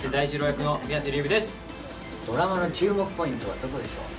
役の宮世琉弥ですドラマの注目ポイントはどこでしょう？